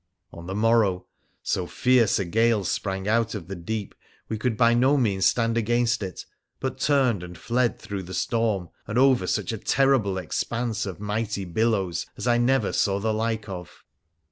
On the morrow so fierce a gale sprang out of the deep we could by no means stand against it, but turned and fled through the storm and over such a terrible expanse of mighty billows as I never saw the like of.